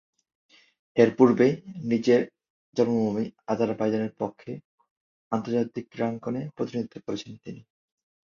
এর পূর্বে নিজ জন্মভূমি আজারবাইজানের পক্ষে আন্তর্জাতিক ক্রীড়াঙ্গনে প্রতিনিধিত্ব করেছেন তিনি।